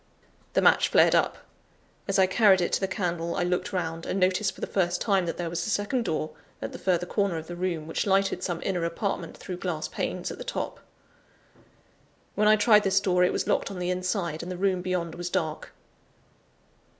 The match flared up. As I carried it to the candle, I looked round, and noticed for the first time that there was a second door, at the further corner of the room, which lighted some inner apartment through glass panes at the top. When I tried this door, it was locked on the inside, and the room beyond was dark.